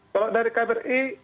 kalau dari kbri